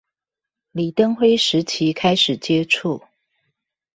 李登輝時期開始接觸